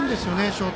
ショート